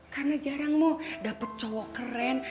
karena jarang mo dapet cowok keren